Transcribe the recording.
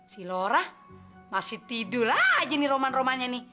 si lora masih tidur aja nih roman romannya nih